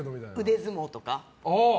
腕相撲とか。